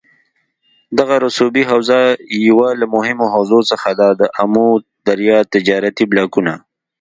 دغه رسوبي حوزه یوه له مهمو حوزو څخه ده دآمو دریا تجارتي بلاکونه